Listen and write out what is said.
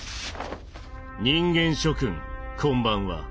人間諸君こんばんは。